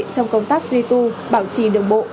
trong công tác duy tu bảo trì đường bộ